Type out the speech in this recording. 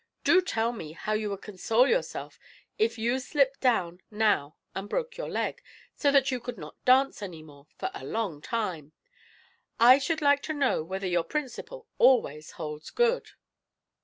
Do tell me how you would console yourself if you slipped down now and broke your leg, so that you could not dance any more for a long time? I should like to know whether your principle always holds good."